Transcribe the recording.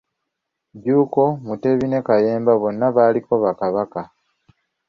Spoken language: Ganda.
Jjuuko, Mutebi ne Kayemba bonna baaliko Bakabaka.